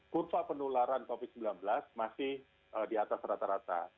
kurva penularan covid sembilan belas masih di atas rata rata